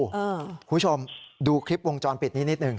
คุณผู้ชมดูคลิปวงจรปิดนี้นิดหนึ่ง